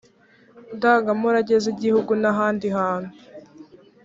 ndangamurage z igihugu n ahandi hantu